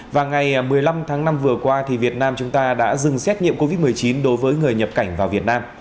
và ngày một mươi năm tháng năm vừa qua việt nam chúng ta đã dừng xét nghiệm covid một mươi chín đối với người nhập cảnh vào việt nam